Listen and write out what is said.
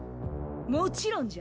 もちろんじゃ。